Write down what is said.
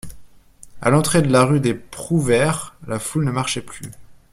À l'entrée de la rue des Prouvaires, la foule ne marchait plus.